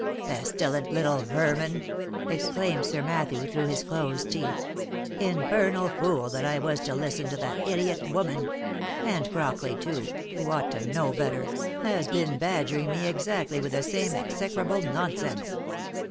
" Pestilent little vermin I" exclaimed Sir Matthew through his closed teeth. " Infernal fool that I was to listen to that idiot woman !— and Crockley too, who ought to know better, has been badgering me exactly with the same execrable nonsense.